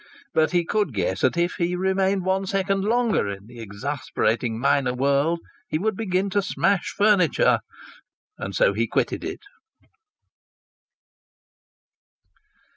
But he could guess that if he remained one second longer in that exasperating minor world he would begin to smash furniture. And so he quitted it.